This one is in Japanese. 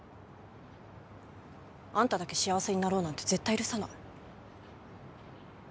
あんただけ幸せになろうなんて絶対許さない。